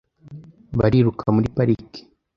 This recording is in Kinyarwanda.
Bariruka muri parike .